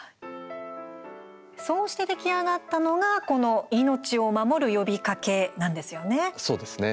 そうして出来上がったのがこの「命を守る呼びかけ」なんですよね。